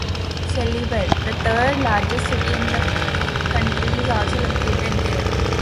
Seelyville, the third largest city in the county, is also located there.